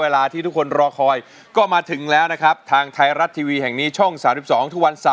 ลูกทุ่งสู้ชีวิต